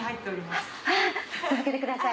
続けてください。